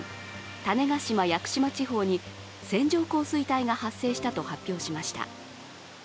種子島・屋久島地方に線状降水帯が発生したと発表しました。